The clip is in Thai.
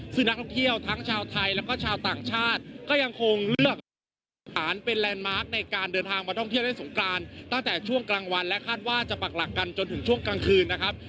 ซึ่งนักท่องเที่ยวทั้งชาวไทยแล้วก็ชาวต่างชาติก็ยังคงเลือกทหารเป็นแลนด์มาร์คในการเดินทางมาท่องเที่ยวเล่นสงกรานตั้งแต่ช่วงกลางวันและคาดว่าจะปักหลักกันจนถึงช่วงกลางคืนนะครับ